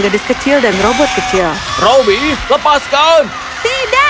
gadis kecil dan robot kecil lebih lepaskan ini atau semoga ujung ini adalah